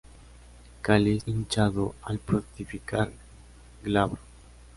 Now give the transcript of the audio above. Cáliz hinchado al fructificar, glabro.